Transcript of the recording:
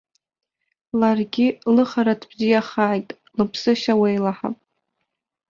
Ларгьы, лыхараҭ бзиахааит, лыԥсышьа уеилаҳап.